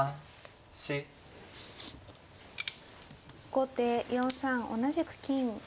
後手４三同じく金。